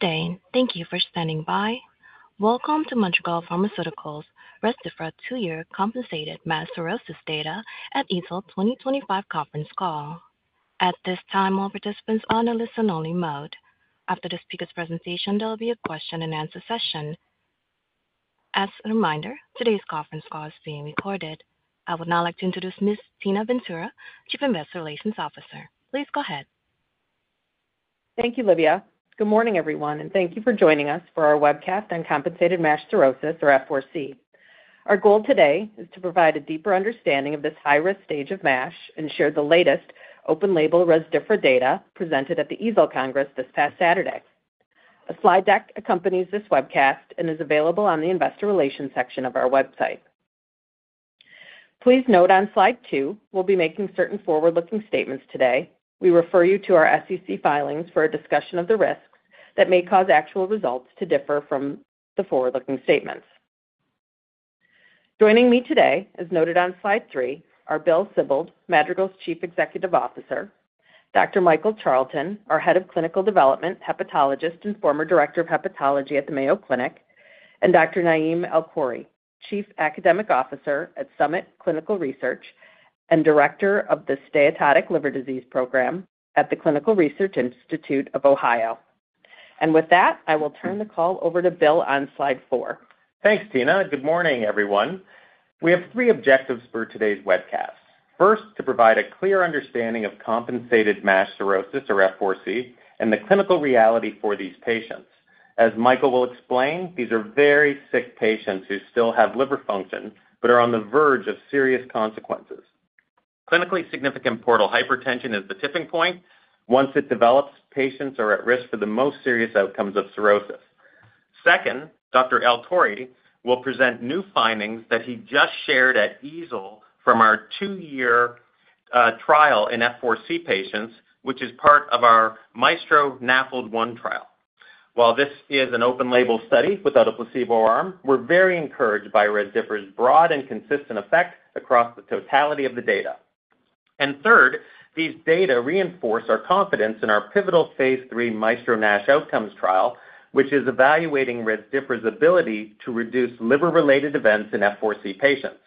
Dane, thank you for standing by. Welcome to Madrigal Pharmaceuticals' Rezdiffra Two-Year Compensated MASH cirrhosis Data at EASL 2025 Conference Call. At this time, all participants are on a listen-only mode. After the speaker's presentation, there will be a question-and-answer session. As a reminder, today's conference call is being recorded. I would now like to introduce Ms. Tina Ventura, Chief Investor Relations Officer. Please go ahead. Thank you, Livia. Good morning, everyone, and thank you for joining us for our webcast on compensated MASH cirrhosis, or F4C. Our goal today is to provide a deeper understanding of this high-risk stage of MASH and share the latest open-label Rezdiffra data presented at the EASL Congress this past Saturday. A slide deck accompanies this webcast and is available on the Investor Relations section of our website. Please note on slide two, we'll be making certain forward-looking statements today. We refer you to our SEC filings for a discussion of the risks that may cause actual results to differ from the forward-looking statements. Joining me today, as noted on slide three, are Bill Sibold, Madrigal's Chief Executive Officer; Dr. Michael Charlton, our Head of Clinical Development, Hepatologist, and former Director of Hepatology at the Mayo Clinic; and Dr. Naim Alkhouri, Chief Academic Officer at Summit Clinical Research and Director of the Steatotic Liver Disease Program at the Clinical Research Institute of Ohio. With that, I will turn the call over to Bill on slide four. Thanks, Tina. Good morning, everyone. We have three objectives for today's webcast. First, to provide a clear understanding of compensated MASH cirrhosis, or F4C, and the clinical reality for these patients. As Michael will explain, these are very sick patients who still have liver function but are on the verge of serious consequences. Clinically significant portal hypertension is the tipping point. Once it develops, patients are at risk for the most serious outcomes of cirrhosis. Second, Dr. Alkhouri will present new findings that he just shared at EASL from our two-year trial in F4C patients, which is part of our MAESTRO-NAFLD-1 trial. While this is an open-label study without a placebo arm, we're very encouraged by Rezdiffra's broad and consistent effect across the totality of the data. Third, these data reinforce our confidence in our pivotal phase III MAESTRO NASH Outcomes trial, which is evaluating Rezdiffra's ability to reduce liver-related events in F4C patients.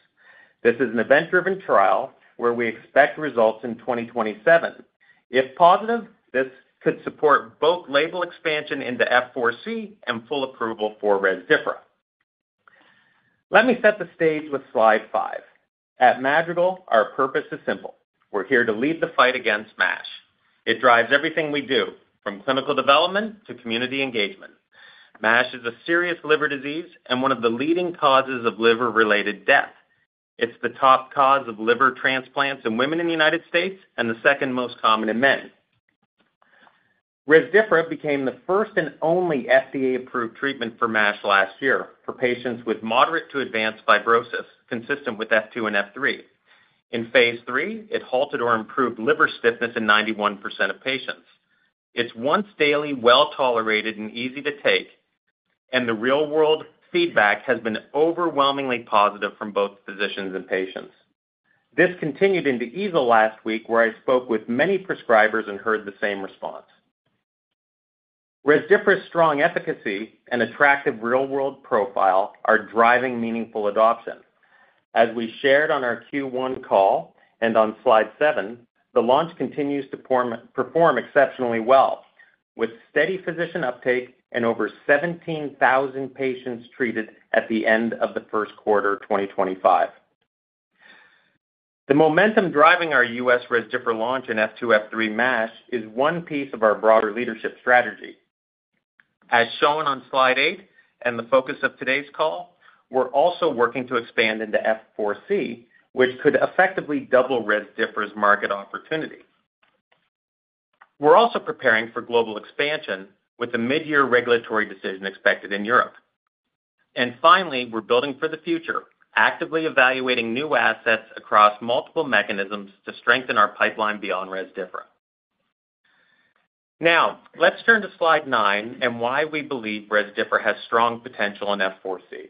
This is an event-driven trial where we expect results in 2027. If positive, this could support both label expansion into F4C and full approval for Rezdiffra. Let me set the stage with slide five. At Madrigal, our purpose is simple. We're here to lead the fight against MASH. It drives everything we do, from clinical development to community engagement. MASH is a serious liver disease and one of the leading causes of liver-related death. It's the top cause of liver transplants in women in the United States and the second most common in men. Rezdiffra became the first and only FDA-approved treatment for MASH last year for patients with moderate to advanced fibrosis, consistent with F2 and F3. In phase III, it halted or improved liver stiffness in 91% of patients. It's once daily, well-tolerated, and easy to take, and the real-world feedback has been overwhelmingly positive from both physicians and patients. This continued into EASL last week, where I spoke with many prescribers and heard the same response. Rezdiffra's strong efficacy and attractive real-world profile are driving meaningful adoption. As we shared on our Q1 call and on slide seven, the launch continues to perform exceptionally well, with steady physician uptake and over 17,000 patients treated at the end of the first quarter of 2025. The momentum driving our U.S. Rezdiffra launch in F2, F3 MASH is one piece of our broader leadership strategy. As shown on slide eight and the focus of today's call, we're also working to expand into F4C, which could effectively double Rezdiffra's market opportunity. We're also preparing for global expansion with a mid-year regulatory decision expected in Europe. Finally, we're building for the future, actively evaluating new assets across multiple mechanisms to strengthen our pipeline beyond Rezdiffra. Now, let's turn to slide nine and why we believe Rezdiffra has strong potential in F4C.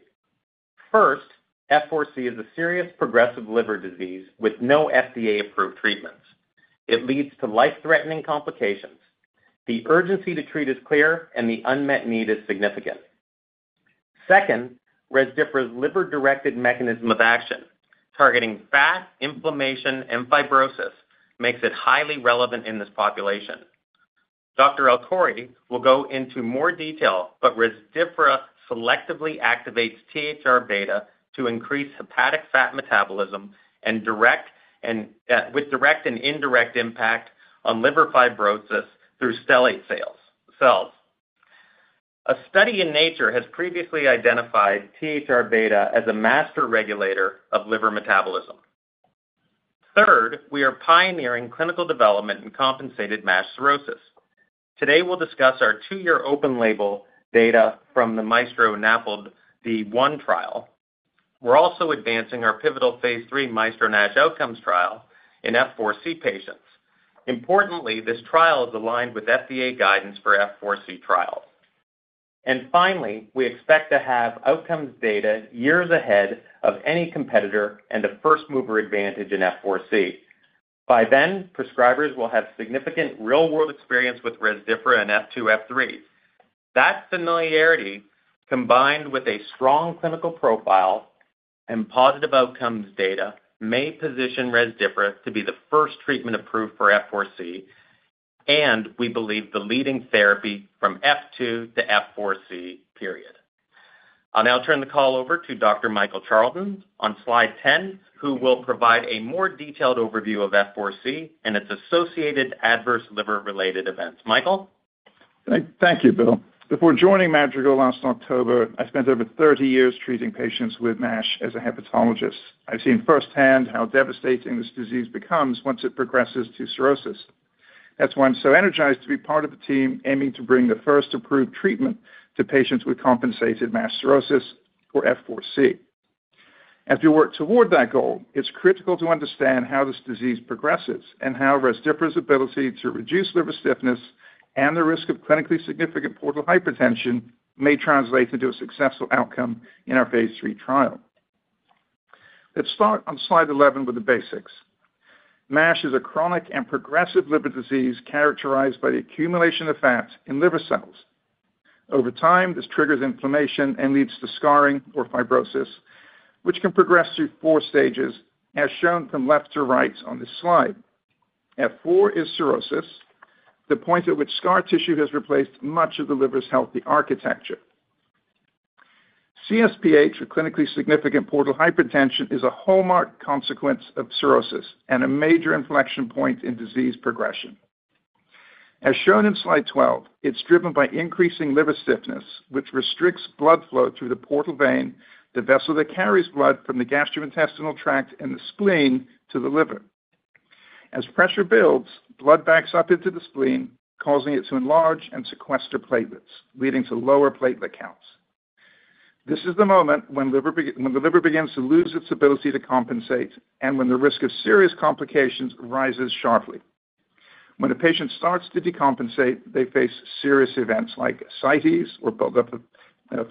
First, F4C is a serious progressive liver disease with no FDA-approved treatments. It leads to life-threatening complications. The urgency to treat is clear, and the unmet need is significant. Second, Rezdiffra's liver-directed mechanism of action, targeting fat, inflammation, and fibrosis, makes it highly relevant in this population. Dr. Alkhouri will go into more detail, but Rezdiffra selectively activates THR-beta to increase hepatic fat metabolism and with direct and indirect impact on liver fibrosis through stellate cells. A study in Nature has previously identified THR-beta as a master regulator of liver metabolism. Third, we are pioneering clinical development in compensated MASH cirrhosis. Today, we'll discuss our two-year open-label data from the MAESTRO-NAFLD-1 trial. We're also advancing our pivotal phase III MAESTRO NASH Outcomes trial in F4C patients. Importantly, this trial is aligned with FDA guidance for F4C trials. Finally, we expect to have outcomes data years ahead of any competitor and a first-mover advantage in F4C. By then, prescribers will have significant real-world experience with Rezdiffra in F2, F3. That familiarity, combined with a strong clinical profile and positive outcomes data, may position Rezdiffra to be the first treatment approved for F4C, and we believe the leading therapy from F2 to F4C, period. I'll now turn the call over to Dr. Michael Charlton on slide 10, who will provide a more detailed overview of F4C and its associated adverse liver-related events. Michael? Thank you, Bill. Before joining Madrigal last October, I spent over 30 years treating patients with MASH as a hepatologist. I've seen firsthand how devastating this disease becomes once it progresses to cirrhosis. That's why I'm so energized to be part of the team aiming to bring the first approved treatment to patients with compensated MASH cirrhosis or F4C. As we work toward that goal, it's critical to understand how this disease progresses and how Rezdiffra's ability to reduce liver stiffness and the risk of clinically significant portal hypertension may translate into a successful outcome in our phase III trial. Let's start on slide 11 with the basics. MASH is a chronic and progressive liver disease characterized by the accumulation of fat in liver cells. Over time, this triggers inflammation and leads to scarring or fibrosis, which can progress through four stages, as shown from left to right on this slide. F4 is cirrhosis, the point at which scar tissue has replaced much of the liver's healthy architecture. CSPH, or clinically significant portal hypertension, is a hallmark consequence of cirrhosis and a major inflection point in disease progression. As shown in slide 12, it's driven by increasing liver stiffness, which restricts blood flow through the portal vein, the vessel that carries blood from the gastrointestinal tract and the spleen to the liver. As pressure builds, blood backs up into the spleen, causing it to enlarge and sequester platelets, leading to lower platelet counts. This is the moment when the liver begins to lose its ability to compensate and when the risk of serious complications rises sharply. When a patient starts to decompensate, they face serious events like ascites or buildup of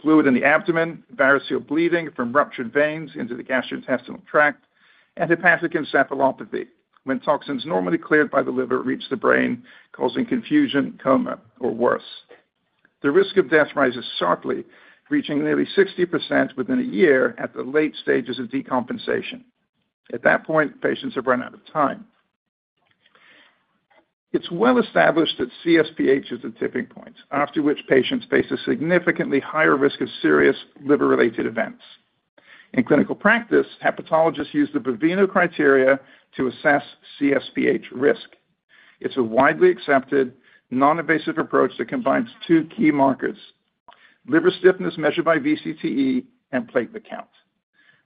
fluid in the abdomen, variceal bleeding from ruptured veins into the gastrointestinal tract, and hepatic encephalopathy, when toxins normally cleared by the liver reach the brain, causing confusion, coma, or worse. The risk of death rises sharply, reaching nearly 60% within a year at the late stages of decompensation. At that point, patients have run out of time. It's well established that CSPH is the tipping point, after which patients face a significantly higher risk of serious liver-related events. In clinical practice, hepatologists use the Baveno criteria to assess CSPH risk. It's a widely accepted, non-invasive approach that combines two key markers: liver stiffness measured by VCTE and platelet count.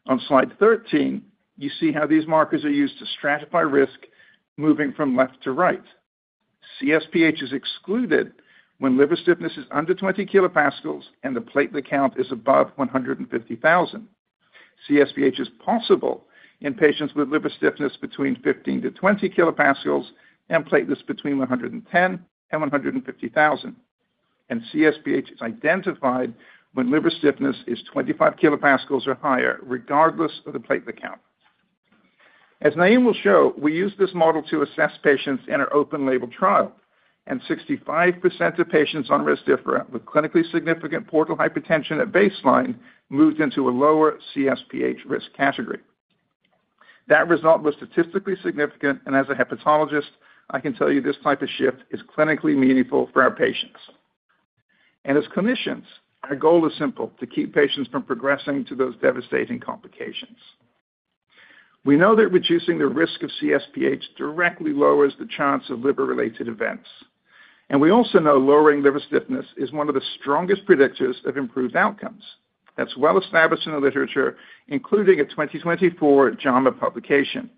On slide 13, you see how these markers are used to stratify risk, moving from left to right. CSPH is excluded when liver stiffness is under 20 kPa and the platelet count is above 150,000. CSPH is possible in patients with liver stiffness between 15-20 kPa and platelets between 110,000-150,000. CSPH is identified when liver stiffness is 25 kPa or higher, regardless of the platelet count. As Naim will show, we use this model to assess patients in our open-label trial, and 65% of patients on Rezdiffra with clinically significant portal hypertension at baseline moved into a lower CSPH risk category. That result was statistically significant, and as a hepatologist, I can tell you this type of shift is clinically meaningful for our patients. As clinicians, our goal is simple: to keep patients from progressing to those devastating complications. We know that reducing the risk of CSPH directly lowers the chance of liver-related events. We also know lowering liver stiffness is one of the strongest predictors of improved outcomes. That is well established in the literature, including a 2024 JAMA publication.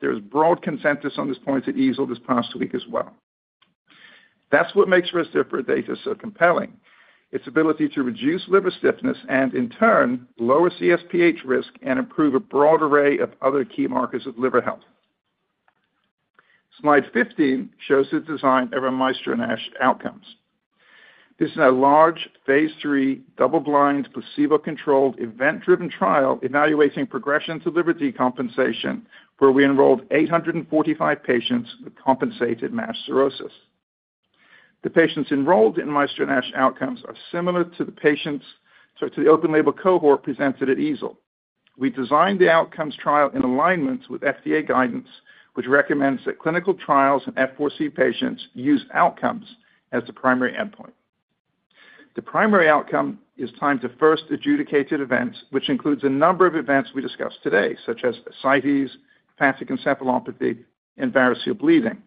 There is broad consensus on this point at EASL this past week as well. That is what makes Rezdiffra data so compelling: its ability to reduce liver stiffness and, in turn, lower CSPH risk and improve a broad array of other key markers of liver health. Slide 15 shows the design of our MAESTRO NASH Outcomes. This is a large phase III double-blind, placebo-controlled, event-driven trial evaluating progression to liver decompensation, where we enrolled 845 patients with compensated MASH cirrhosis. The patients enrolled in MAESTRO NASH Outcomes are similar to the open-label cohort presented at EASL. We designed the outcomes trial in alignment with FDA guidance, which recommends that clinical trials in F4C patients use outcomes as the primary endpoint. The primary outcome is time to first adjudicated events, which includes a number of events we discussed today, such as ascites, hepatic encephalopathy, and variceal bleeding.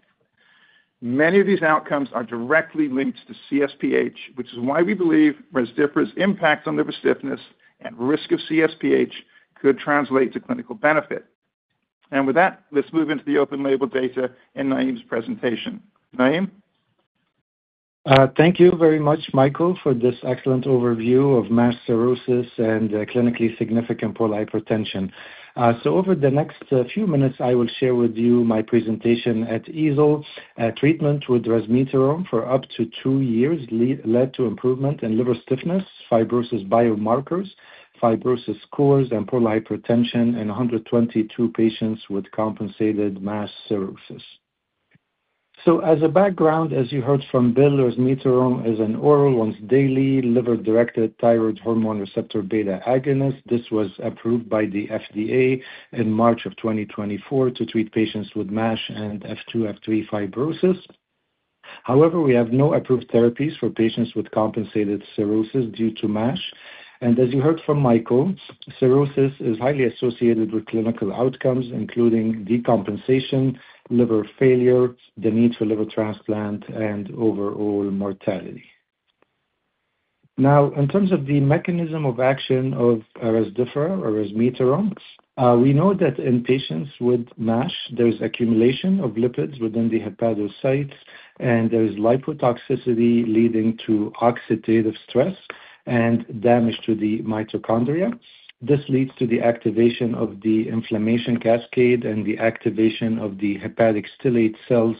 Many of these outcomes are directly linked to CSPH, which is why we believe Rezdiffra's impact on liver stiffness and risk of CSPH could translate to clinical benefit. With that, let's move into the open-label data in Naim's presentation. Naim? Thank you very much, Michael, for this excellent overview of MASH cirrhosis and clinically significant portal hypertension. Over the next few minutes, I will share with you my presentation at EASL. Treatment with resmetirom for up to two years led to improvement in liver stiffness, fibrosis biomarkers, fibrosis scores, and portal hypertension in 122 patients with compensated MASH cirrhosis. As a background, as you heard from Bill, resmetirom is an oral, once daily, liver-directed thyroid hormone receptor beta agonist. This was approved by the FDA in March of 2024 to treat patients with MASH and F2, F3 fibrosis. However, we have no approved therapies for patients with compensated cirrhosis due to MASH. As you heard from Michael, cirrhosis is highly associated with clinical outcomes, including decompensation, liver failure, the need for liver transplant, and overall mortality. Now, in terms of the mechanism of action of Rezdiffra or resmetirom, we know that in patients with MASH, there is accumulation of lipids within the hepatocytes, and there is lipotoxicity leading to oxidative stress and damage to the mitochondria. This leads to the activation of the inflammation cascade and the activation of the hepatic stellate cells,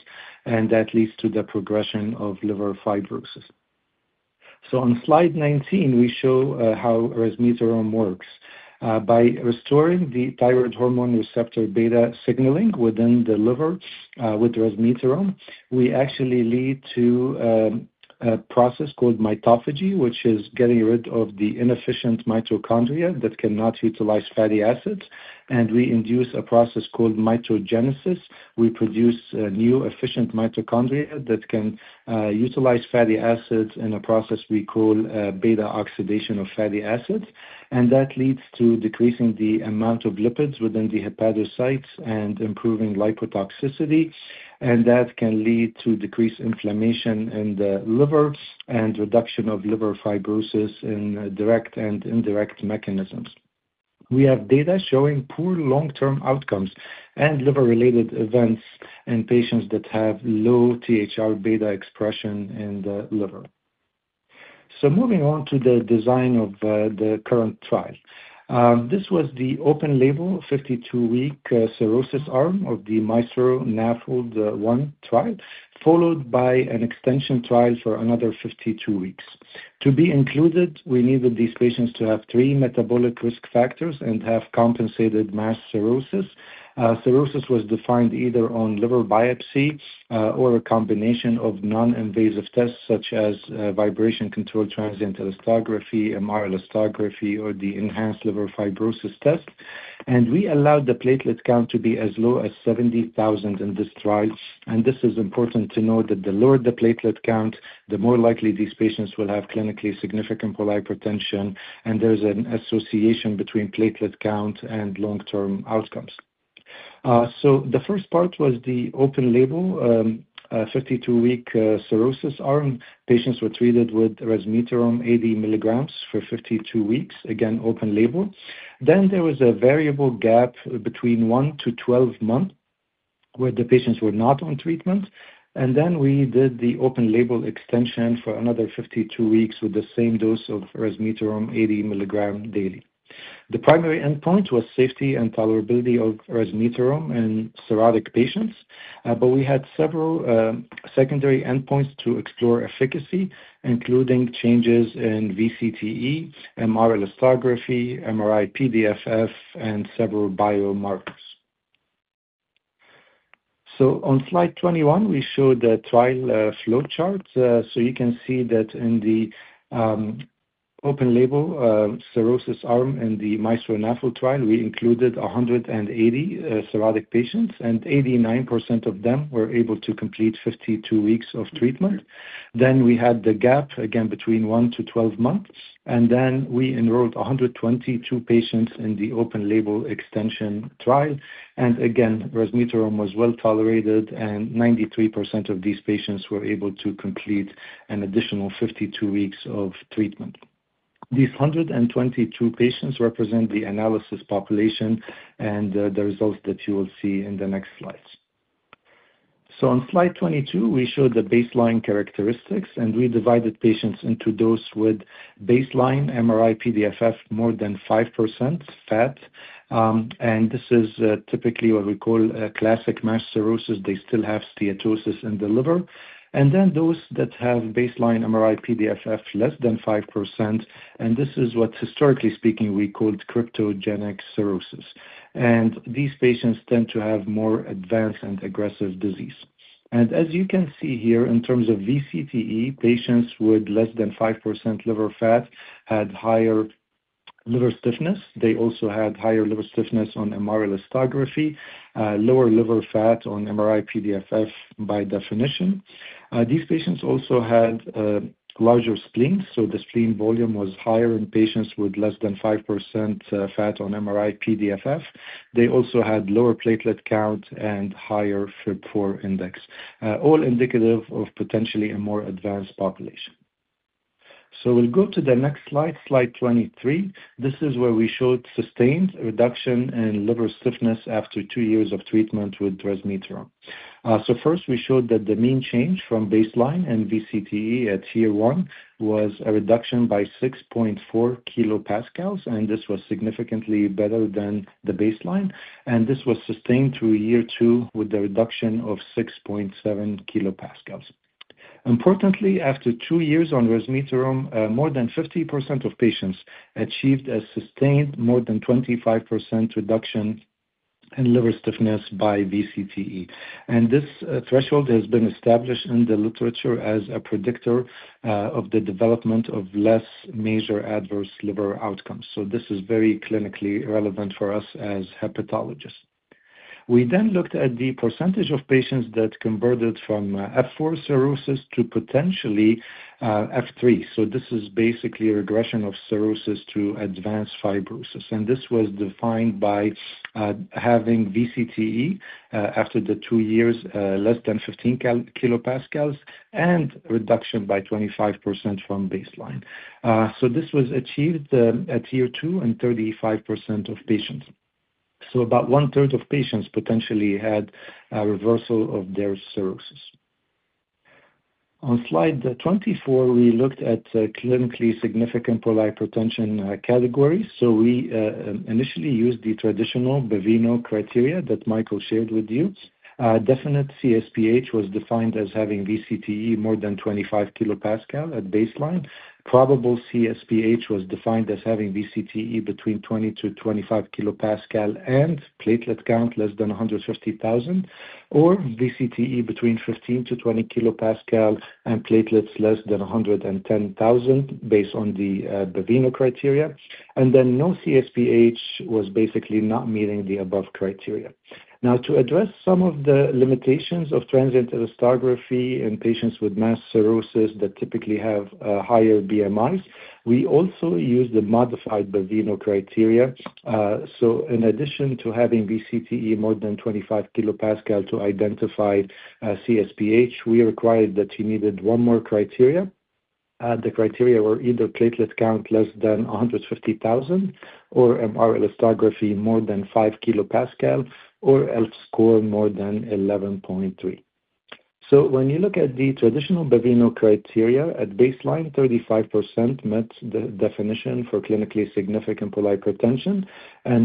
and that leads to the progression of liver fibrosis. On slide 19, we show how resmetirom works. By restoring the thyroid hormone receptor beta signaling within the liver with resmetirom, we actually lead to a process called mitophagy, which is getting rid of the inefficient mitochondria that cannot utilize fatty acids. We induce a process called mitogenesis. We produce new efficient mitochondria that can utilize fatty acids in a process we call beta oxidation of fatty acids. That leads to decreasing the amount of lipids within the hepatocytes and improving lipotoxicity. That can lead to decreased inflammation in the liver and reduction of liver fibrosis in direct and indirect mechanisms. We have data showing poor long-term outcomes and liver-related events in patients that have low THR-beta expression in the liver. Moving on to the design of the current trial. This was the open-label 52-week cirrhosis arm of the MAESTRO-NAFLD-1 trial, followed by an extension trial for another 52 weeks. To be included, we needed these patients to have three metabolic risk factors and have compensated MASH cirrhosis. Cirrhosis was defined either on liver biopsy or a combination of non-invasive tests such as vibration-controlled transient elastography, magnetic resonance elastography, or the enhanced liver fibrosis test. We allowed the platelet count to be as low as 70,000 in this trial. It is important to note that the lower the platelet count, the more likely these patients will have clinically significant portal hypertension, and there is an association between platelet count and long-term outcomes. The first part was the open-label 52-week cirrhosis arm. Patients were treated with resmetirom 80 milligrams for 52 weeks, open-label. There was a variable gap between 1-12 months where the patients were not on treatment. We did the open-label extension for another 52 weeks with the same dose of resmetirom 80 milligrams daily. The primary endpoint was safety and tolerability of resmetirom in cirrhotic patients, but we had several secondary endpoints to explore efficacy, including changes in VCTE, MR elastography, MRI-PDFF, and several biomarkers. On slide 21, we showed the trial flow chart. You can see that in the open-label cirrhosis arm in the MAESTRO-NAFLD-1 trial, we included 180 cirrhotic patients, and 89% of them were able to complete 52 weeks of treatment. We had the gap again between one to 12 months. We enrolled 122 patients in the open-label extension trial. Again, resmetirom was well tolerated, and 93% of these patients were able to complete an additional 52 weeks of treatment. These 122 patients represent the analysis population and the results that you will see in the next slides. On slide 22, we showed the baseline characteristics, and we divided patients into those with baseline MRI-PDFF more than 5% fat. This is typically what we call a classic MASH cirrhosis. They still have steatosis in the liver. Those that have baseline MRI-PDFF less than 5%, and this is what, historically speaking, we called cryptogenic cirrhosis. These patients tend to have more advanced and aggressive disease. As you can see here, in terms of VCTE, patients with less than 5% liver fat had higher liver stiffness. They also had higher liver stiffness on MR elastography, lower liver fat on MRI-PDFF by definition. These patients also had larger spleens, so the spleen volume was higher in patients with less than 5% fat on MRI-PDFF. They also had lower platelet count and higher FIB-4 index, all indicative of potentially a more advanced population. We will go to the next slide, slide 23. This is where we showed sustained reduction in liver stiffness after two years of treatment with Rezdiffra. First, we showed that the mean change from baseline in VCTE at year one was a reduction by 6.4 kPa, and this was significantly better than the baseline. This was sustained through year two with a reduction of 6.7 kPa. Importantly, after two years on resmetirom, more than 50% of patients achieved a sustained more than 25% reduction in liver stiffness by VCTE. This threshold has been established in the literature as a predictor of the development of less major adverse liver outcomes. This is very clinically relevant for us as hepatologists. We then looked at the percentage of patients that converted from F4 cirrhosis to potentially F3. This is basically a regression of cirrhosis to advanced fibrosis. This was defined by having VCTE after the two years less than 15 kPa, and a reduction by 25% from baseline. This was achieved at year two in 35% of patients. About one-third of patients potentially had a reversal of their cirrhosis. On slide 24, we looked at clinically significant portal hypertension categories. We initially used the traditional Baveno criteria that Michael shared with you. Definite CSPH was defined as having VCTE more than 25 kPa at baseline. Probable CSPH was defined as having VCTE between 20-25 kPa and platelet count less than 150,000, or VCTE between 15-20 kPa and platelets less than 110,000 based on the Baveno criteria. No CSPH was basically not meeting the above criteria. To address some of the limitations of transient elastography in patients with MASH cirrhosis that typically have higher BMIs, we also used the modified Baveno criteria. In addition to having VCTE more than 25 kPa to identify CSPH, we required that you needed one more criteria. The criteria were either platelet count less than 150,000, or MR elastography more than 5 kPa, or ELF score more than 11.3. When you look at the traditional Baveno criteria, at baseline, 35% met the definition for clinically significant portal hypertension.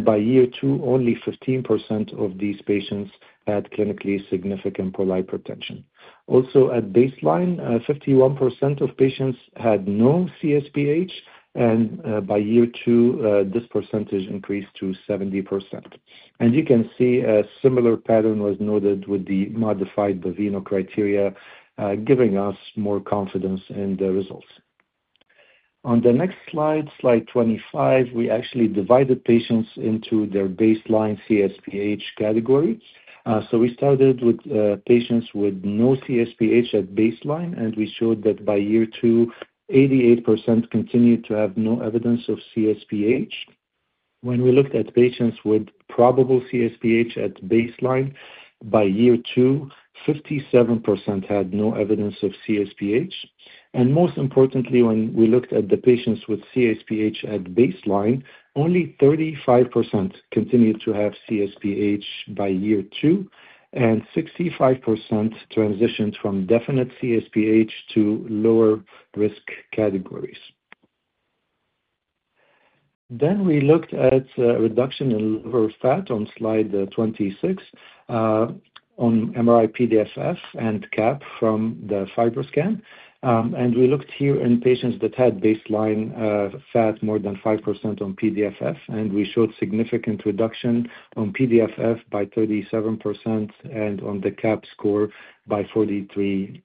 By year two, only 15% of these patients had clinically significant portal hypertension. Also, at baseline, 51% of patients had no CSPH. By year two, this percentage increased to 70%. You can see a similar pattern was noted with the modified Baveno criteria, giving us more confidence in the results. On the next slide, slide 25, we actually divided patients into their baseline CSPH category. We started with patients with no CSPH at baseline, and we showed that by year two, 88% continued to have no evidence of CSPH. When we looked at patients with probable CSPH at baseline, by year two, 57% had no evidence of CSPH. Most importantly, when we looked at the patients with CSPH at baseline, only 35% continued to have CSPH by year two, and 65% transitioned from definite CSPH to lower risk categories. We looked at reduction in liver fat on slide 26 on MRI-PDFF and CAP from the FibroScan. We looked here in patients that had baseline fat more than 5% on PDFF, and we showed significant reduction on PDFF by 37% and on the CAP score by 43%.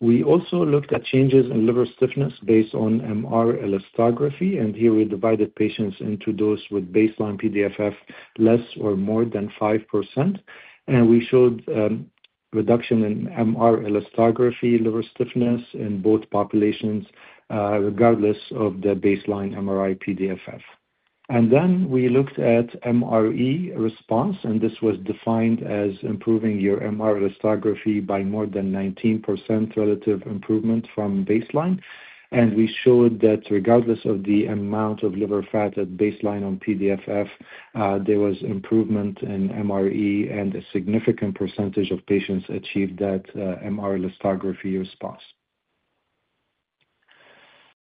We also looked at changes in liver stiffness based on MRE, and here we divided patients into those with baseline PDFF less or more than 5%. We showed reduction in MRE liver stiffness in both populations, regardless of the baseline MRI PDFF. We looked at MRE response, and this was defined as improving your MRE by more than 19% relative improvement from baseline. We showed that regardless of the amount of liver fat at baseline on PDFF, there was improvement in MRE, and a significant percentage of patients achieved that MRE response.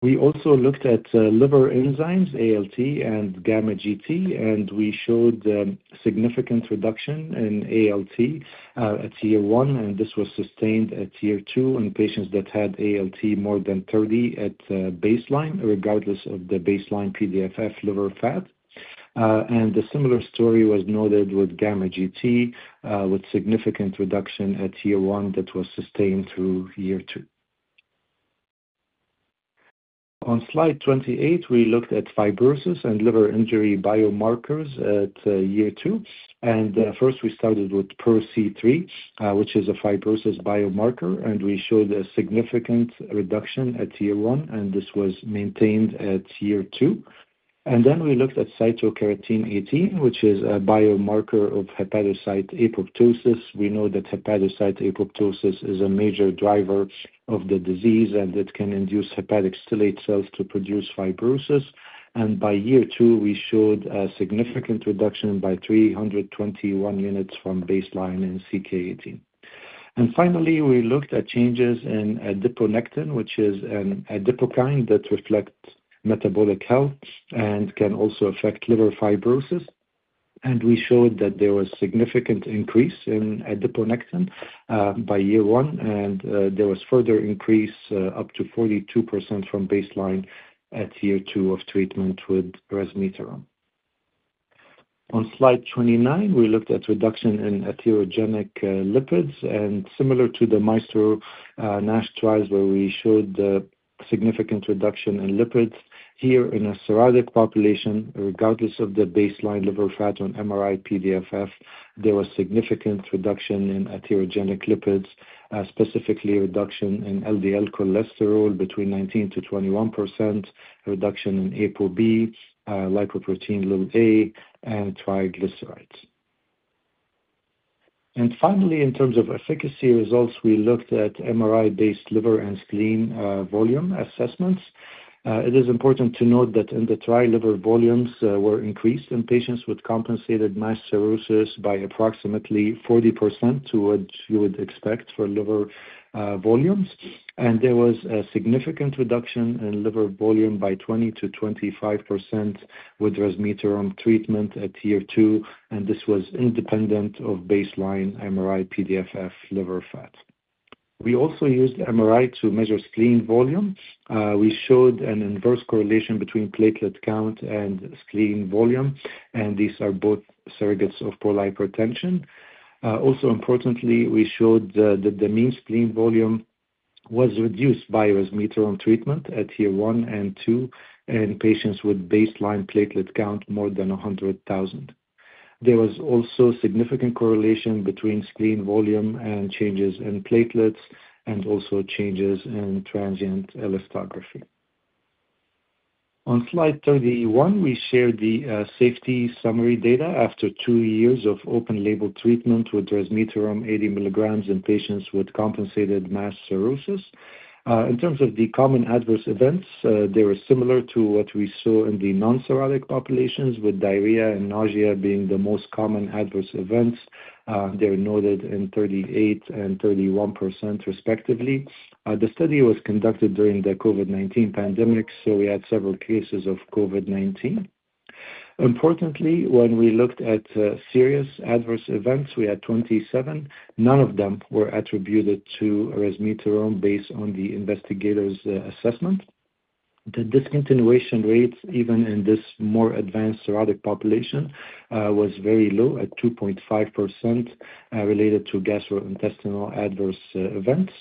We also looked at liver enzymes, ALT and gamma GT, and we showed significant reduction in ALT at year one, and this was sustained at year two in patients that had ALT more than 30 at baseline, regardless of the baseline PDFF liver fat. A similar story was noted with gamma GT, with significant reduction at year one that was sustained through year two. On slide 28, we looked at fibrosis and liver injury biomarkers at year two. First, we started with PRO-C3, which is a fibrosis biomarker, and we showed a significant reduction at year one, and this was maintained at year two. Then we looked at cytokeratin 18, which is a biomarker of hepatocyte apoptosis. We know that hepatocyte apoptosis is a major driver of the disease, and it can induce hepatic stellate cells to produce fibrosis. By year two, we showed a significant reduction by 321 units from baseline in CK18. Finally, we looked at changes in adiponectin, which is an adipokine that reflects metabolic health and can also affect liver fibrosis. We showed that there was a significant increase in adiponectin by year one, and there was a further increase up to 42% from baseline at year two of treatment with resmetirom. On slide 29, we looked at reduction in atherogenic lipids, and similar to the MAESTRO NASH trials, where we showed significant reduction in lipids here in a cirrhotic population, regardless of the baseline liver fat on MRI-PDFF, there was significant reduction in atherogenic lipids, specifically reduction in LDL cholesterol between 19%-21%, reduction in ApoB, lipoprotein(a), and triglycerides. Finally, in terms of efficacy results, we looked at MRI-based liver and spleen volume assessments. It is important to note that in the trial, liver volumes were increased in patients with compensated MASH cirrhosis by approximately 40% to what you would expect for liver volumes. There was a significant reduction in liver volume by 20%-25% with resmetirom treatment at year two, and this was independent of baseline MRI-PDFF liver fat. We also used MRI to measure spleen volume. We showed an inverse correlation between platelet count and spleen volume, and these are both surrogates of portal hypertension. Also, importantly, we showed that the mean spleen volume was reduced by resmetirom treatment at year one and two in patients with baseline platelet count more than 100,000. There was also significant correlation between spleen volume and changes in platelets and also changes in transient elastography. On slide 31, we shared the safety summary data after two years of open-label treatment with resmetirom 80 milligrams in patients with compensated MASH cirrhosis. In terms of the common adverse events, they were similar to what we saw in the non-cirrhotic populations, with diarrhea and nausea being the most common adverse events. They're noted in 38% and 31%, respectively. The study was conducted during the COVID-19 pandemic, so we had several cases of COVID-19. Importantly, when we looked at serious adverse events, we had 27. None of them were attributed to resmetirom based on the investigators' assessment. The discontinuation rate, even in this more advanced cirrhotic population, was very low at 2.5% related to gastrointestinal adverse events.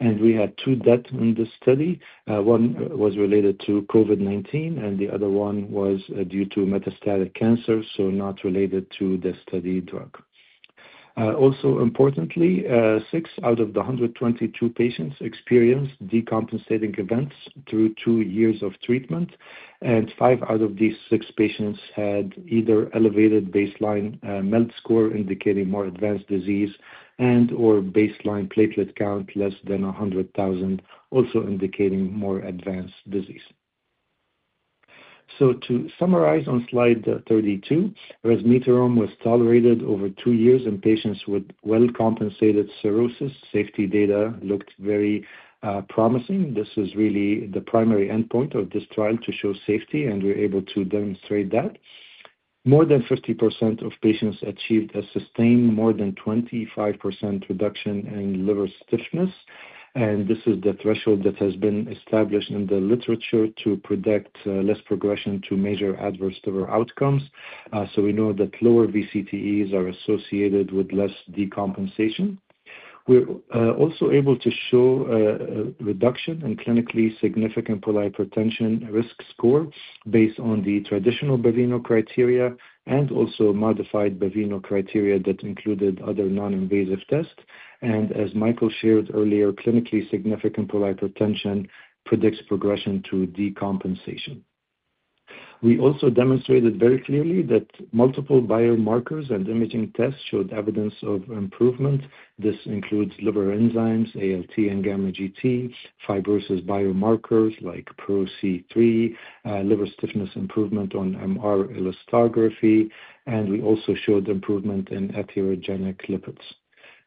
We had two deaths in this study. One was related to COVID-19, and the other one was due to metastatic cancer, so not related to the study drug. Also, importantly, six out of the 122 patients experienced decompensating events through two years of treatment, and five out of these six patients had either elevated baseline MELD score indicating more advanced disease and/or baseline platelet count less than 100,000, also indicating more advanced disease. To summarize on slide 32, resmetirom was tolerated over two years in patients with well-compensated cirrhosis. Safety data looked very promising. This was really the primary endpoint of this trial to show safety, and we were able to demonstrate that. More than 50% of patients achieved a sustained more than 25% reduction in liver stiffness, and this is the threshold that has been established in the literature to predict less progression to major adverse liver outcomes. We know that lower VCTEs are associated with less decompensation. We're also able to show a reduction in clinically significant portal hypertension risk score based on the traditional Baveno criteria and also modified Baveno criteria that included other non-invasive tests. As Michael shared earlier, clinically significant portal hypertension predicts progression to decompensation. We also demonstrated very clearly that multiple biomarkers and imaging tests showed evidence of improvement. This includes liver enzymes, ALT and gamma GT, fibrosis biomarkers like PRO-C3, liver stiffness improvement on MR elastography, and we also showed improvement in atherogenic lipids.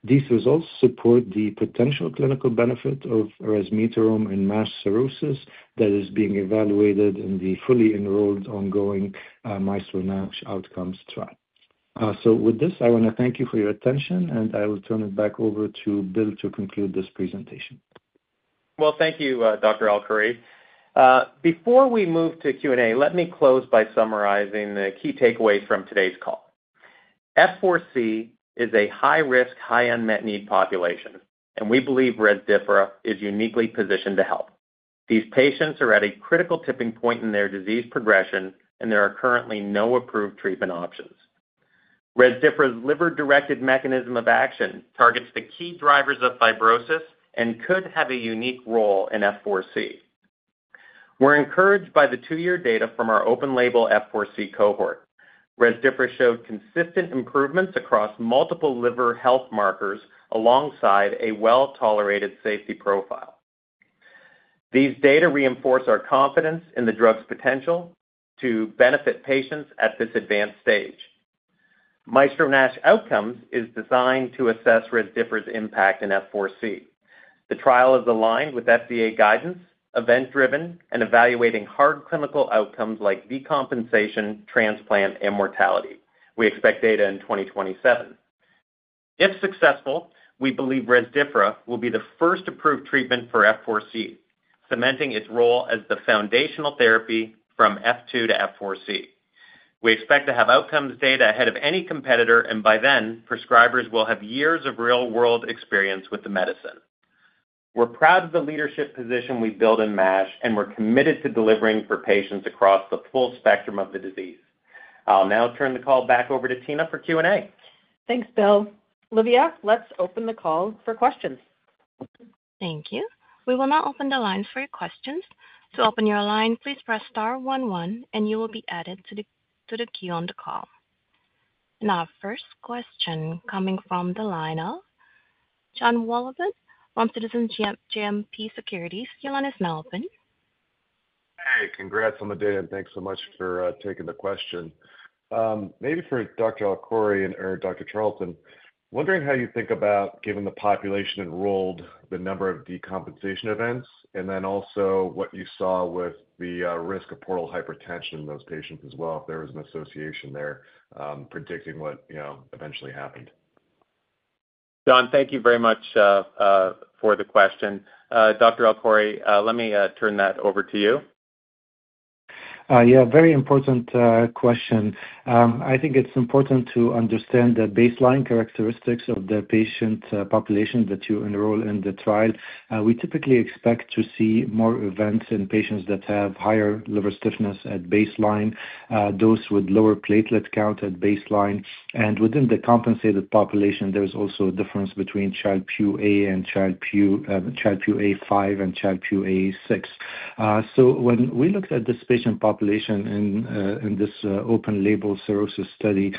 These results support the potential clinical benefit of resmetirom in MASH cirrhosis that is being evaluated in the fully enrolled ongoing MAESTRO NASH Outcomes trial. I want to thank you for your attention, and I will turn it back over to Bill to conclude this presentation. Thank you, Dr. Alkhouri. Before we move to Q&A, let me close by summarizing the key takeaways from today's call. F4C is a high-risk, high-end met need population, and we believe Rezdiffra is uniquely positioned to help. These patients are at a critical tipping point in their disease progression, and there are currently no approved treatment options. Rezdiffra's liver-directed mechanism of action targets the key drivers of fibrosis and could have a unique role in F4C. We're encouraged by the two-year data from our open-label F4C cohort. Rezdiffra showed consistent improvements across multiple liver health markers alongside a well-tolerated safety profile. These data reinforce our confidence in the drug's potential to benefit patients at this advanced stage. MAESTRO NASH Outcomes is designed to assess Rezdiffra's impact in F4C. The trial is aligned with FDA guidance, event-driven, and evaluating hard clinical outcomes like decompensation, transplant, and mortality. We expect data in 2027. If successful, we believe Rezdiffra will be the first approved treatment for F4C, cementing its role as the foundational therapy from F2 to F4C. We expect to have outcomes data ahead of any competitor, and by then, prescribers will have years of real-world experience with the medicine. We're proud of the leadership position we built in MASH, and we're committed to delivering for patients across the full spectrum of the disease. I'll now turn the call back over to Tina for Q&A. Thanks, Bill. Livia, let's open the call for questions. Thank you. We will now open the lines for your questions. To open your line, please press star 11, and you will be added to the queue on the call. Now, our first question coming from the line of John Wallivant from Citizen GMP Security. Your line is now open. Hey, congrats on the day, and thanks so much for taking the question. Maybe for Dr. Alkhouri or Dr. Charlton, wondering how you think about, given the population enrolled, the number of decompensation events, and then also what you saw with the risk of portal hypertension in those patients as well, if there was an association there predicting what eventually happened. John, thank you very much for the question. Dr. Alkhouri, let me turn that over to you. Yeah, very important question. I think it's important to understand the baseline characteristics of the patient population that you enroll in the trial. We typically expect to see more events in patients that have higher liver stiffness at baseline, those with lower platelet count at baseline. And within the compensated population, there's also a difference between Child-Pugh A and Child-Pugh A5 and Child-Pugh A6. When we looked at this patient population in this open-label cirrhosis study,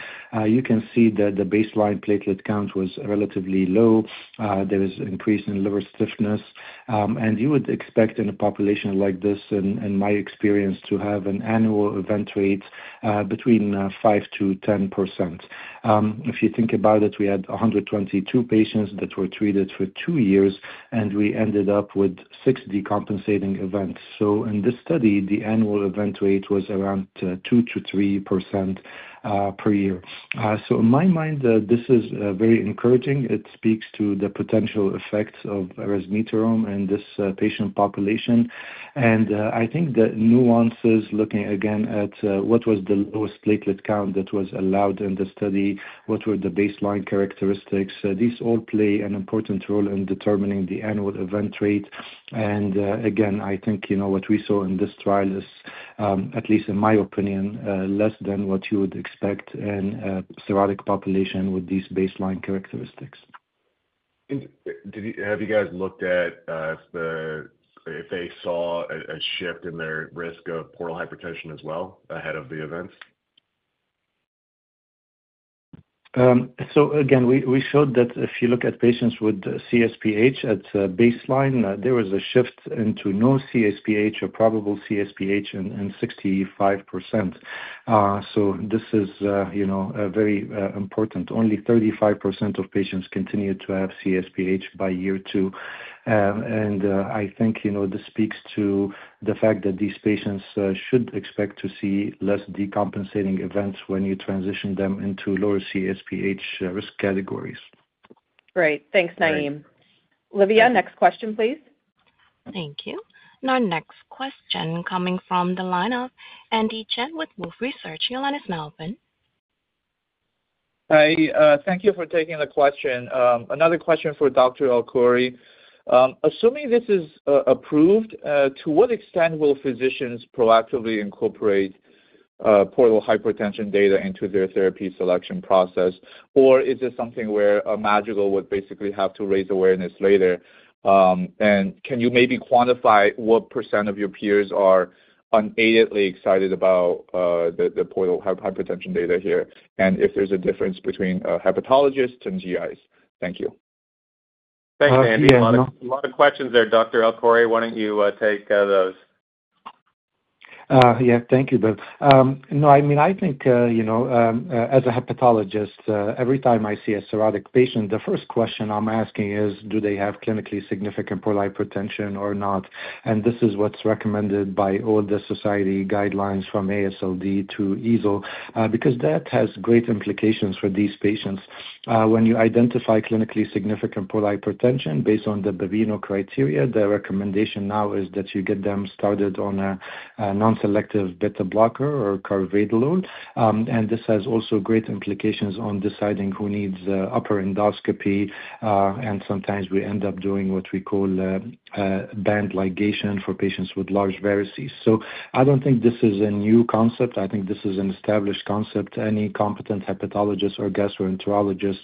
you can see that the baseline platelet count was relatively low. There was an increase in liver stiffness, and you would expect in a population like this, in my experience, to have an annual event rate between 5%-10%. If you think about it, we had 122 patients that were treated for two years, and we ended up with six decompensating events. In this study, the annual event rate was around 2%-3% per year. In my mind, this is very encouraging. It speaks to the potential effects of Rezdiffra in this patient population. I think the nuances, looking again at what was the lowest platelet count that was allowed in the study, what were the baseline characteristics, these all play an important role in determining the annual event rate. Again, I think what we saw in this trial is, at least in my opinion, less than what you would expect in a cirrhotic population with these baseline characteristics. Have you guys looked at if they saw a shift in their risk of portal hypertension as well ahead of the events? We showed that if you look at patients with CSPH at baseline, there was a shift into no CSPH or probable CSPH in 65%. This is very important. Only 35% of patients continued to have CSPH by year two. I think this speaks to the fact that these patients should expect to see less decompensating events when you transition them into lower CSPH risk categories. Great. Thanks, Naim. Livia, next question, please. Thank you. Now, next question coming from the line of Andy Chen with Wolfe Research. Your line is open. Hi. Thank you for taking the question. Another question for Dr. Alkhouri. Assuming this is approved, to what extent will physicians proactively incorporate portal hypertension data into their therapy selection process? Is this something where Madrigal would basically have to raise awareness later? Can you maybe quantify what % of your peers are unaidedly excited about the portal hypertension data here? Is there a difference between hepatologists and GIs? Thank you. Thanks, Andy. A lot of questions there. Dr. Alkhouri, why do not you take those? Yeah, thank you, Bill. No, I mean, I think as a hepatologist, every time I see a cirrhotic patient, the first question I am asking is, do they have clinically significant portal hypertension or not? This is what is recommended by all the society guidelines from AASLD to EASL because that has great implications for these patients. When you identify clinically significant portal hypertension based on the Baveno criteria, the recommendation now is that you get them started on a non-selective beta-blocker or carvedilol. This has also great implications on deciding who needs upper endoscopy. Sometimes we end up doing what we call band ligation for patients with large varices. I do not think this is a new concept. I think this is an established concept. Any competent hepatologist or gastroenterologist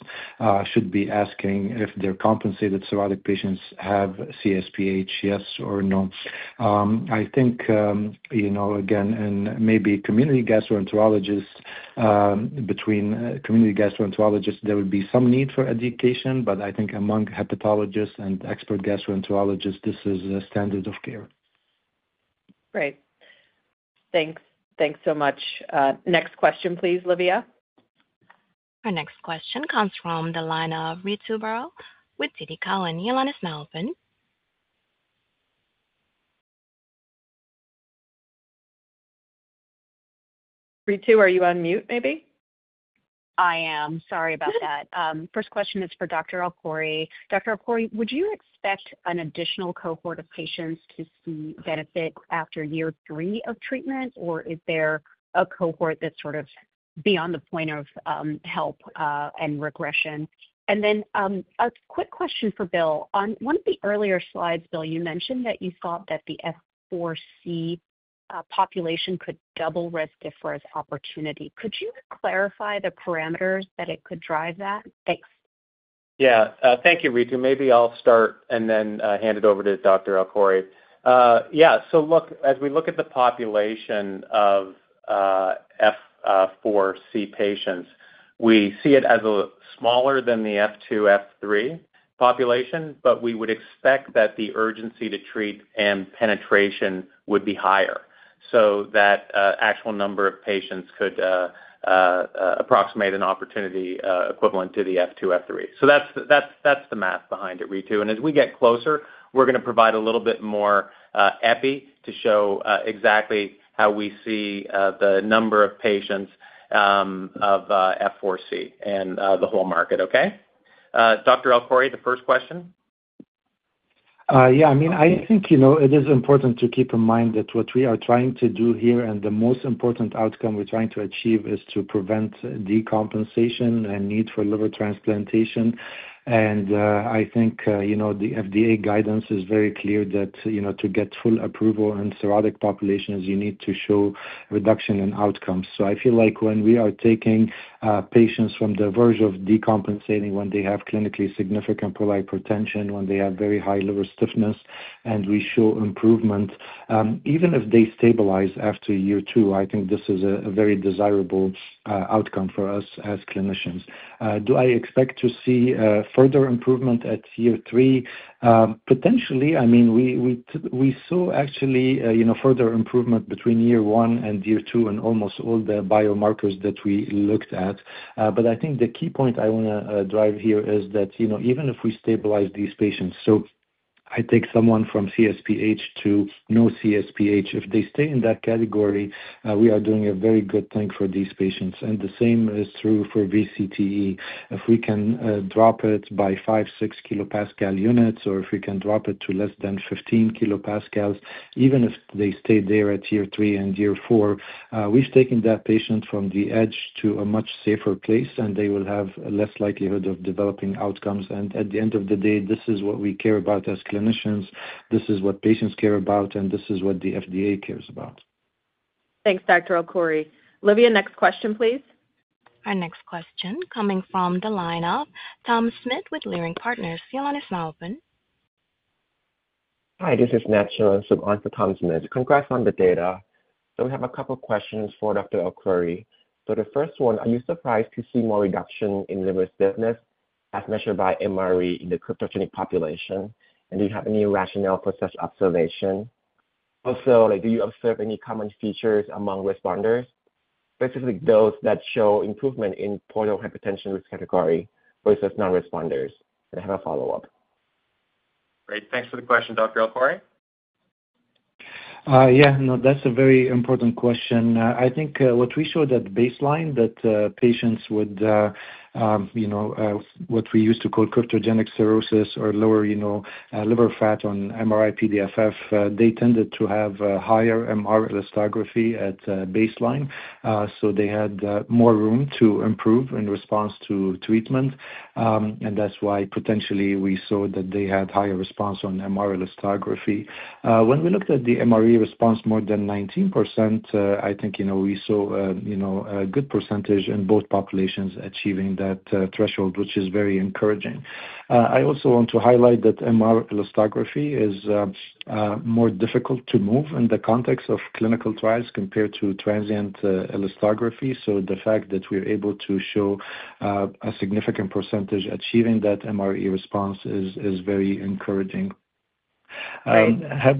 should be asking if their compensated cirrhotic patients have CSPH, yes or no. I think, again, maybe between community gastroenterologists, there would be some need for education, but I think among hepatologists and expert gastroenterologists, this is a standard of care. Great. Thanks. Thanks so much. Next question, please, Livia. Our next question comes from the line of Rita Barrow with Tina Kyle and your line is open. Rita, are you on mute, maybe? I am. Sorry about that. First question is for Dr. Alkhouri. Dr. Alkhouri, would you expect an additional cohort of patients to see benefit after year three of treatment, or is there a cohort that's sort of beyond the point of help and regression? And then a quick question for Bill. On one of the earlier slides, Bill, you mentioned that you thought that the F4C population could double risk as far as opportunity. Could you clarify the parameters that it could drive that? Thanks. Yeah. Thank you, Rita. Maybe I'll start and then hand it over to Dr. Alkhouri. Yeah. Look, as we look at the population of F4C patients, we see it as smaller than the F2, F3 population, but we would expect that the urgency to treat and penetration would be higher so that actual number of patients could approximate an opportunity equivalent to the F2, F3. That is the math behind it, Rita. As we get closer, we are going to provide a little bit more EPI to show exactly how we see the number of patients of F4C and the whole market, okay? Dr. Alkhouri, the first question? Yeah. I mean, I think it is important to keep in mind that what we are trying to do here and the most important outcome we are trying to achieve is to prevent decompensation and need for liver transplantation. I think the FDA guidance is very clear that to get full approval in cirrhotic populations, you need to show reduction in outcomes. I feel like when we are taking patients from the verge of decompensating when they have clinically significant portal hypertension, when they have very high liver stiffness, and we show improvement, even if they stabilize after year two, I think this is a very desirable outcome for us as clinicians. Do I expect to see further improvement at year three? Potentially. I mean, we saw actually further improvement between year one and year two in almost all the biomarkers that we looked at. I think the key point I want to drive here is that even if we stabilize these patients, so I take someone from CSPH to no CSPH, if they stay in that category, we are doing a very good thing for these patients. The same is true for VCTE. If we can drop it by 5-6 kPa units, or if we can drop it to less than 15 kPa, even if they stay there at year three and year four, we've taken that patient from the edge to a much safer place, and they will have less likelihood of developing outcomes. At the end of the day, this is what we care about as clinicians. This is what patients care about, and this is what the FDA cares about. Thanks, Dr. Alkhouri. Livia, next question, please. Our next question coming from the line of Tom Smith with Leerink Partners, your line is open. Hi, this is Nat Charoensook. I'm for Tom Smith. Congrats on the data. We have a couple of questions for Dr. Alkhouri. The first one, are you surprised to see more reduction in liver stiffness as measured by MRE in the cryptogenic population? Do you have any rationale for such observation? Also, do you observe any common features among responders, specifically those that show improvement in portal hypertension risk category versus non-responders? I have a follow-up. Great. Thanks for the question, Dr. Alkhouri. Yeah. No, that's a very important question. I think what we showed at baseline, that patients with what we used to call cryptogenic cirrhosis or lower liver fat on MRI-PDFF, they tended to have higher MR elastography at baseline. They had more room to improve in response to treatment. That is why potentially we saw that they had higher response on MR elastography. When we looked at the MRE response, more than 19%, I think we saw a good percentage in both populations achieving that threshold, which is very encouraging. I also want to highlight that MR elastography is more difficult to move in the context of clinical trials compared to transient elastography. The fact that we are able to show a significant percentage achieving that MRE response is very encouraging. Have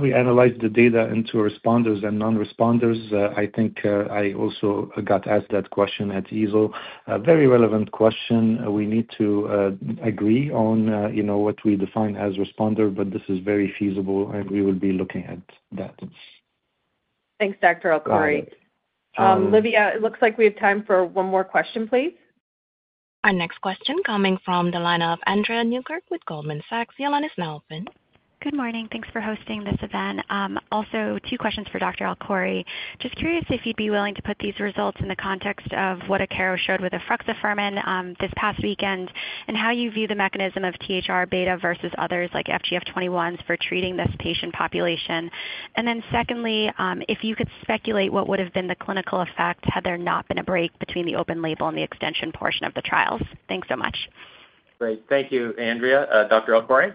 we analyzed the data into responders and non-responders? I think I also got asked that question at ESO. Very relevant question. We need to agree on what we define as responder, but this is very feasible, and we will be looking at that. Thanks, Dr. Al-Khari. Livia, it looks like we have time for one more question, please. Our next question coming from the line of Andrea Newkirk with Goldman Sachs. Your line is open. Good morning. Thanks for hosting this event. Also, two questions for Dr. Naim Alkhouri. Just curious if you'd be willing to put these results in the context of what ACCARO showed with the FRXA phermin this past weekend and how you view the mechanism of THR-beta versus others like FGF21s for treating this patient population. Then secondly, if you could speculate what would have been the clinical effect had there not been a break between the open label and the extension portion of the trials. Thanks so much. Great. Thank you, Andrea. Dr. Naim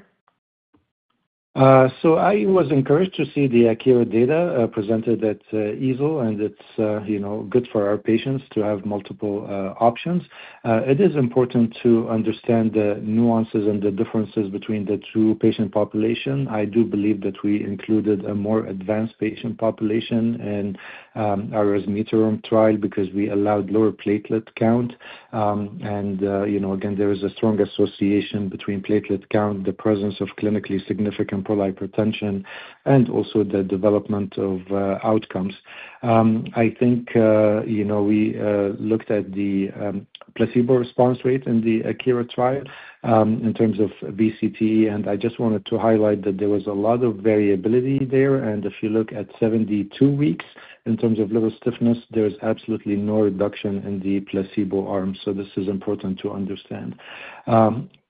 Alkhouri? I was encouraged to see the ACCARO data presented at EASL, and it's good for our patients to have multiple options. It is important to understand the nuances and the differences between the two patient populations. I do believe that we included a more advanced patient population in our resmetirom trial because we allowed lower platelet count. Again, there is a strong association between platelet count, the presence of clinically significant portal hypertension, and also the development of outcomes. I think we looked at the placebo response rate in the ACCARO trial in terms of VCTE. I just wanted to highlight that there was a lot of variability there. If you look at 72 weeks in terms of liver stiffness, there is absolutely no reduction in the placebo arm. This is important to understand.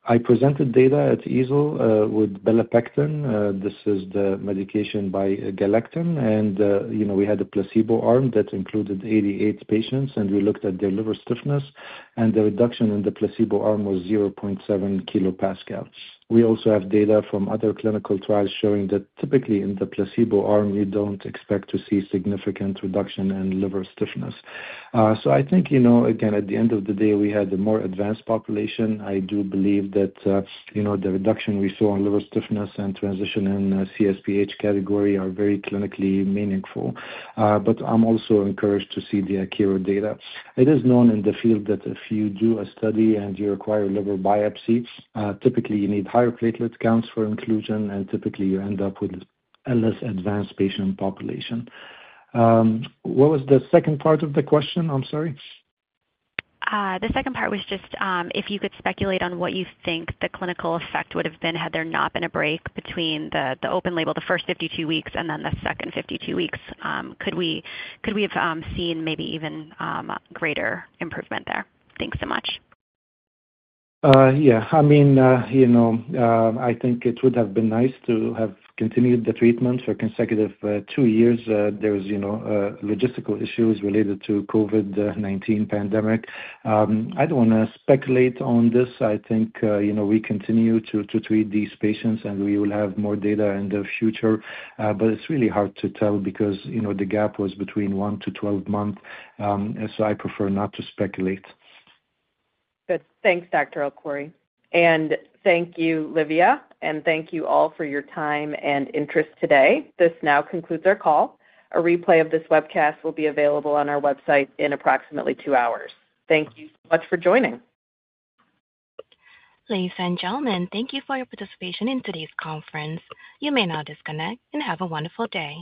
I presented data at EASL with Belapectin. This is the medication by Galectin. We had a placebo arm that included 88 patients, and we looked at their liver stiffness. The reduction in the placebo arm was 0.7 kPa. We also have data from other clinical trials showing that typically in the placebo arm, you do not expect to see significant reduction in liver stiffness. I think, again, at the end of the day, we had a more advanced population. I do believe that the reduction we saw in liver stiffness and transition in CSPH category are very clinically meaningful. I am also encouraged to see the ACCARO data. It is known in the field that if you do a study and you require a liver biopsy, typically you need higher platelet counts for inclusion, and typically you end up with a less advanced patient population. What was the second part of the question? I'm sorry. The second part was just if you could speculate on what you think the clinical effect would have been had there not been a break between the open label, the first 52 weeks, and then the second 52 weeks, could we have seen maybe even greater improvement there? Thanks so much. Yeah. I mean, I think it would have been nice to have continued the treatment for consecutive two years. There were logistical issues related to the COVID-19 pandemic. I do not want to speculate on this. I think we continue to treat these patients, and we will have more data in the future. It is really hard to tell because the gap was between one-12 months. I prefer not to speculate. Good. Thanks, Dr. Alkhouri. And thank you, Livia. Thank you all for your time and interest today. This now concludes our call. A replay of this webcast will be available on our website in approximately two hours. Thank you so much for joining. Ladies and gentlemen, thank you for your participation in today's conference. You may now disconnect and have a wonderful day.